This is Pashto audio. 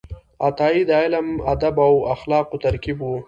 عطايي د علم، ادب او اخلاقو ترکیب و.